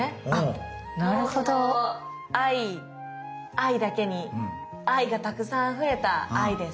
「Ｉ」だけに愛がたくさんあふれた「Ｉ」です。